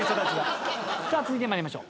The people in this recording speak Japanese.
続いて参りましょう。